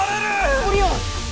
オリオン！